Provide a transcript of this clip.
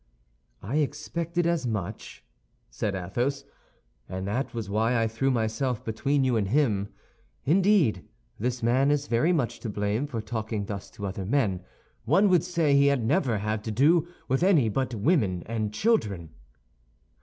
"I expected as much," said Athos; "and that was why I threw myself between you and him. Indeed, this man is very much to blame for talking thus to other men; one would say he had never had to do with any but women and children."